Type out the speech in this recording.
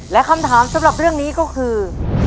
และคำถามสำหรับเรื่องนี้ก็คือ